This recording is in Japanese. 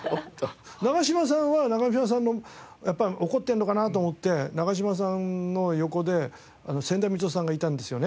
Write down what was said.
長嶋さんは長嶋さんもやっぱり怒ってるのかなって思って長嶋さんの横でせんだみつおさんがいたんですよね。